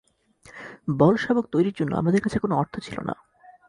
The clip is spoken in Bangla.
বল শাবক তৈরির জন্য আমাদের কাছে কোন অর্থ ছিল না।